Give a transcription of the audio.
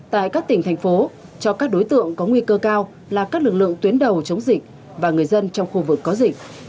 tại các tỉnh thành phố cho các đối tượng có nguy cơ cao là các lực lượng tuyến đầu chống dịch và người dân trong khu vực có dịch